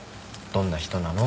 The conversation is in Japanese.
「どんな人なの？」